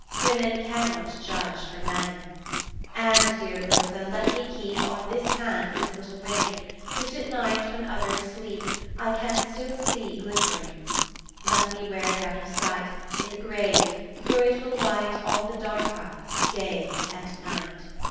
Women cannot judge for men. "And, dear Bertha, let me keep On this hand this little ring, Which at night, when others sleep, I can still see glittering. Let me wear it out of sight, In the grave, where it will light All the Dark up, day and night."